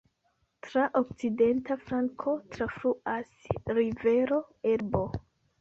Tra okcidenta flanko trafluas rivero Elbo.